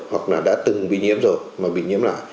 hoặc là đã từng bị nhiễm rồi mà bị nhiễm lại